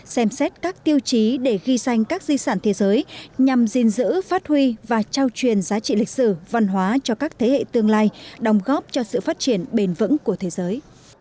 xem xét các tiêu chí để ghi danh các di sản thế giới nhằm gìn giữ phát huy và trao truyền giá trị lịch sử văn hóa cho các thế hệ tương lai đồng góp cho sự phát triển bền vững của thế giới